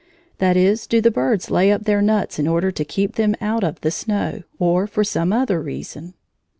That is, do the birds lay up their nuts in order to keep them out of the snow, or for some other reason?